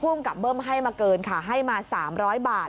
ห้วงกับเบิ้มให้มาเกินขาให้มา๓๐๐บาท